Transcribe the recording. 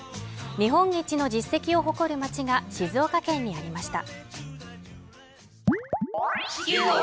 日本一の実績を誇る町が静岡県にありました